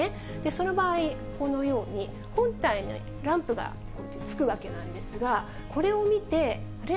その場合、このように、本体のランプが、こうやってつくわけなんですが、これを見て、あれ？